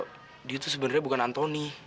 kalau dia tuh sebenarnya bukan anthony